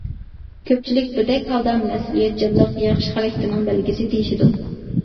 كۆپچىلىك بىردەك ھالدا مەسئۇلىيەتچانلىق ياخشى خاراكتېرنىڭ بەلگىسى دېيىشىدۇ.